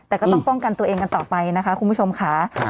แต่ก็ต้องป้องกันตัวเองกันต่อไปนะคะคุณผู้ชมค่ะ